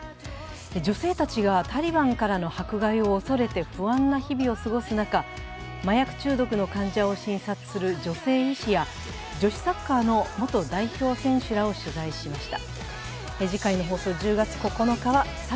女性たちがタリバンからの迫害を恐れて不安な日々を過ごす中、麻薬中毒の患者を診察する女性医師や、女子サッカーの元代表選手らを取材しました。